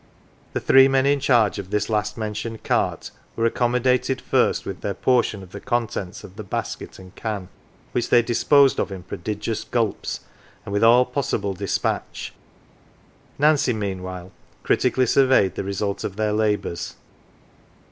The three men in charge of this last mentioned cart were accom modated first with their portion of the contents of the basket and can, which they disposed of in prodigious gulps, and with all possible despatch. Nancy, meanwhile, critically surveyed the result of their labours.